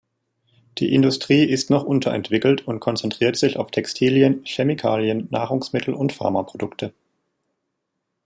Die Industrie ist noch unterentwickelt und konzentriert sich auf Textilien, Chemikalien, Nahrungsmittel und Pharma-Produkte.